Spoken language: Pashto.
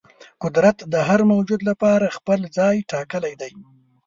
قدرت د هر موجود لپاره خپل ځای ټاکلی دی.